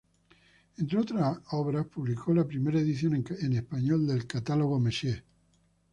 Entre otras obras, publicó la primera edición en español del Catálogo Messier.